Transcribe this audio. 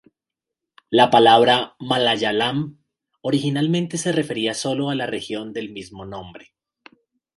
La palabra "Malayalam" originalmente se refería sólo a la región del mismo nombre.